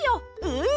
うん！